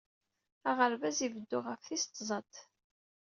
Aɣerbaz ibeddu ɣef tis tẓat.